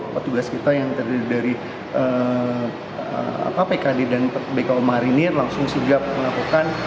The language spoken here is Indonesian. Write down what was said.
petugas kita yang terdiri dari pkd dan bko marinir langsung sigap melakukan